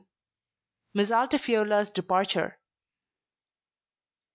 MISS ALTIFIORLA'S DEPARTURE.